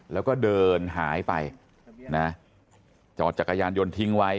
แล้วก็เดินหายไปนะจอดจักรยานยนต์ทิ้งไว้